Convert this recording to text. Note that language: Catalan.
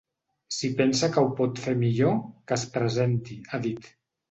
Si pensa que ho pot fer millor, que es presenti, ha dit.